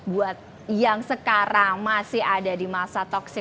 buat yang sekarang masih ada di masa toxic